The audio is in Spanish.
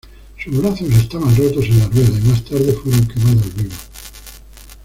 Sus brazos estaban rotos en la rueda, y más tarde fueron quemados vivos.